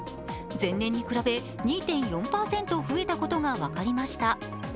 前年に比べ２．４％増えたことが分かりました。